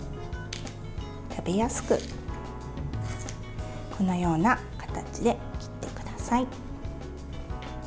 食べやすくこのような形で切ってください。